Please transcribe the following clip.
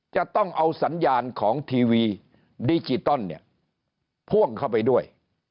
จะต้องเอาสัญญาณของทีวีดิจิตอลเนี่ยพ่วงเข้าไปด้วย